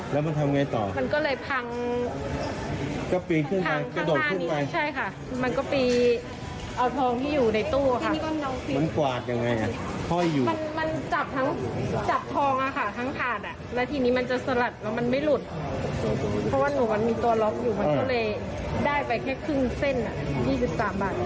เพราะว่ามันมีตัวล็อคอยู่มันก็เลยได้ไปแค่ครึ่งเส้น๒๓บาท